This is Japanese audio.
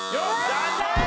残念！